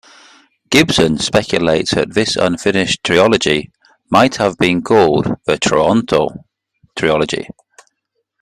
Gibson speculates that this unfinished trilogy might have been called the "Toronto Trilogy".